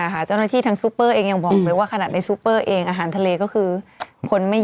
เจ้าหน้าที่ทางซูเปอร์เองยังบอกเลยว่าขนาดในซูเปอร์เองอาหารทะเลก็คือคนไม่